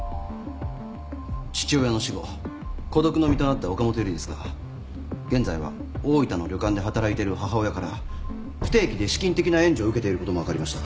父親の死後孤独の身となった岡本由梨ですが現在は大分の旅館で働いてる母親から不定期で資金的な援助を受けていることも分かりました。